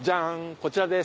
こちらです。